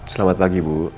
selamat pagi bu